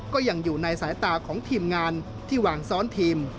ก็ยังอยู่ในสายตาของทีมงานที่วางซ้อนทีม